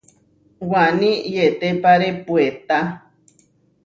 Waní yetépare puetá.